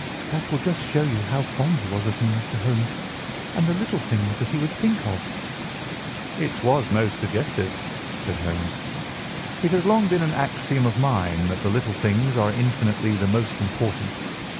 That will just show you how fond he was of me, Mr. Holmes, and the little things that he would think of." "It was most suggestive," said Holmes. "It has long been an axiom of mine that the little things are infinitely the most important.